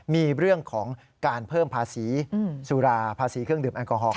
มีเรื่องของการเพิ่มภาษีสุราภาษีเครื่องดื่มแอลกอฮอล